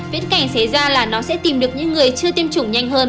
viễn cảnh xảy ra là nó sẽ tìm được những người chưa tiêm chủng nhanh hơn